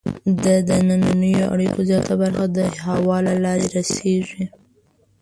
د دنننیو اړیکو زیاته برخه د هوا له لارې رسیږي.